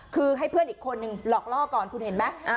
คือให้เพื่อนอีกคนนึงหลอกล่อก่อนคุณเห็นไหม